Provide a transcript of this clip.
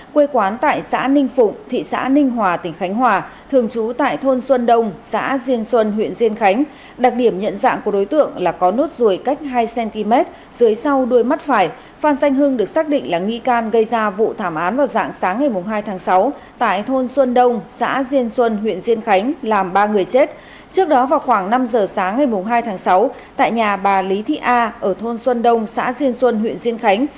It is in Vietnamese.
quê quán tại xã ninh phụng thị xã ninh hòa tp phủ lý thường trú tại thôn xuân đông xã diên xuân huyện diên khánh